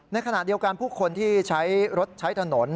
ในขณะเดียวกันผู้คนที่ใช้รถใช้ถนน